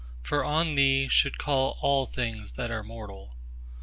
for on Thee should call all things that are mortal.